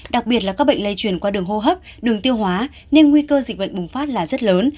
đặc biệt là các bệnh lây chuyển qua đường hô hấp đường tiêu hóa nên nguy cơ dịch bệnh bùng phát là rất lớn